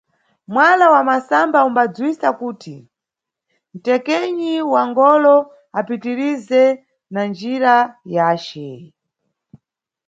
Muwala wa masamba umbadziwisa kuti nʼtekenyi wa ngolo apitirize na njira yace.